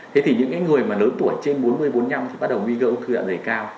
thế thì những người lớn tuổi trên bốn mươi bốn mươi năm thì bắt đầu gây ra ung thư dạ dày cao